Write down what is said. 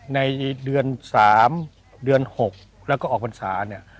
ในเดือน๓เดือน๖แล้วก็ออกพรรษาเนี่ย